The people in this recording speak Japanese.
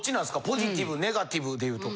ポジティブネガティブでいうと。